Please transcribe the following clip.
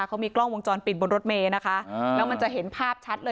เขามีกล้องวงจรปิดบนรถเมย์นะคะแล้วมันจะเห็นภาพชัดเลย